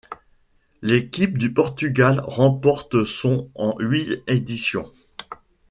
L'équipe du Portugal remporte son en huit éditions.